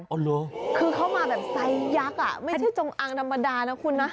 อ๋อเหรอคือเขามาแบบไซส์ยักษ์อ่ะไม่ใช่จงอังธรรมดานะคุณนะ